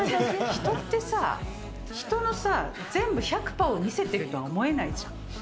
人ってさ、人のさ、全部１００パーを見せているとは思えないじゃん。